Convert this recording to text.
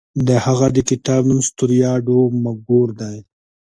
د هغه د کتاب نوم ستوریا ډو مګور دی.